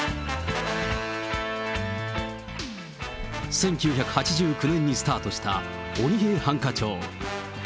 １９８９年にスタートした鬼平犯科帳。